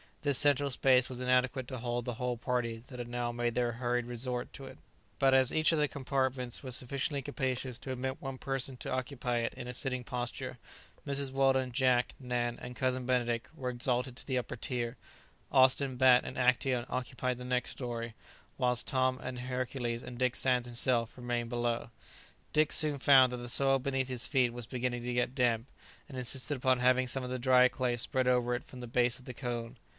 This central space was inadequate to hold the whole party that had now made their hurried resort to it, but as each of the compartments was sufficiently capacious to admit one person to occupy it in a sitting posture, Mrs. Weldon, Jack, Nan, and Cousin Benedict were exalted to the upper tier, Austin, Bat, and Actæon occupied the next story, whilst Tom and Hercules, and Dick Sands himself remained below. Dick soon found that the soil beneath his feet was beginning to get damp, and insisted upon having some of the dry clay spread over it from the base of the cone.